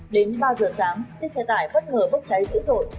đến ba giờ sáng chiếc xe tải bất ngờ bốc cháy dữ dội